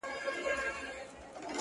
ډېوې پوري”